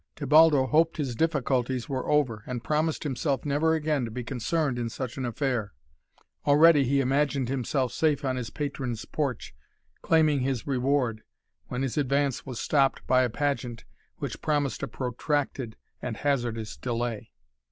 Tebaldo hoped his difficulties were over, and promised himself never again to be concerned in such an affair. Already he imagined himself safe on his patron's porch, claiming his reward, when his advance was stopped by a pageant, which promised a protracted and hazardous delay.